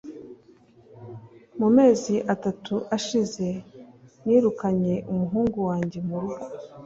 mu mezi atatu ashize nirukanye umuhungu wanjye mu rugo